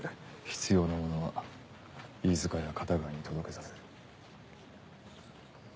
必要なものは飯塚や片貝に届けさせる。